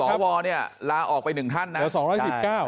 สวลาออกไป๑ท่านหรือ๒๔๙